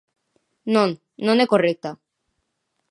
Non, non é correcta.